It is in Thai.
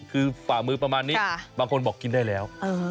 คือฝ่ามือประมาณนี้บางคนบอกกินได้แล้ว